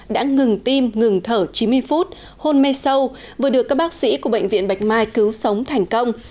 đã ngừng tim ngừng thở chín mươi phút hôn mê sâu vừa được các bác sĩ của bệnh viện bạch mai cứu sống thành công